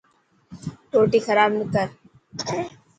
روٽي خراب نه ڪر.